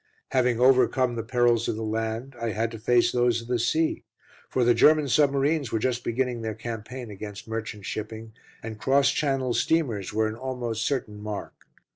Having overcome the perils of the land, I had to face those of the sea, for the German submarines were just beginning their campaign against merchant shipping, and cross Channel steamers were an almost certain mark.